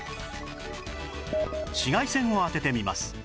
紫外線を当ててみます